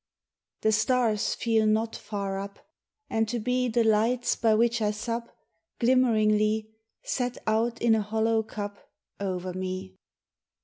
The stars feel not far up, And to be The lights by which I sup Glimmeringly, Set out in a hollow cup Over me.